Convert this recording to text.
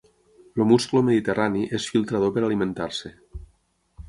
El musclo mediterrani és filtrador per alimentar-se.